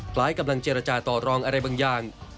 คล้ายกำลังเจรจาต่อรองอะไรบางอย่าง